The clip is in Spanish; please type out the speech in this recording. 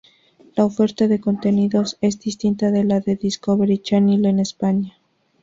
La oferta de contenidos es distinta de la de Discovery Channel en España.